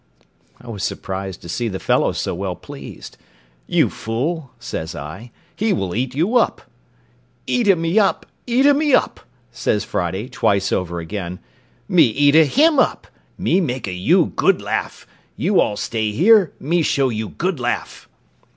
I was surprised to see the fellow so well pleased. "You fool," says I, "he will eat you up."—"Eatee me up! eatee me up!" says Friday, twice over again; "me eatee him up; me makee you good laugh; you all stay here, me show you good laugh."